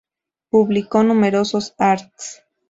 Publicó numerosos Arts.